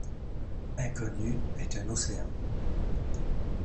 Inconnu est un océan.